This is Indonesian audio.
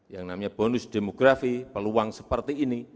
yang namanya bonus demografi peluang seperti ini